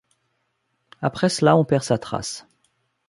Après cela on perd sa trace.